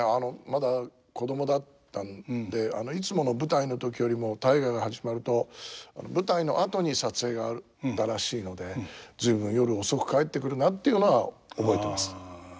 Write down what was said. まだ子供だったんでいつもの舞台の時よりも「大河」が始まると舞台の後に撮影があったらしいので「随分夜遅く帰ってくるな」っていうのは覚えてます。